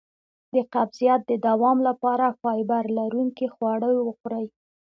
د قبضیت د دوام لپاره فایبر لرونکي خواړه وخورئ